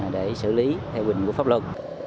để xử lý theo quy định của pháp luật